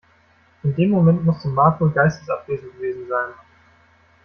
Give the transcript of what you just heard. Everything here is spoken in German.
In dem Moment musste Mark wohl geistesabwesend gewesen sein.